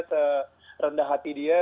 serendah hati dia